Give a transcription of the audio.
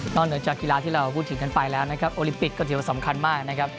เหนือจากกีฬาที่เราพูดถึงกันไปแล้วนะครับโอลิมปิกก็ถือว่าสำคัญมากนะครับ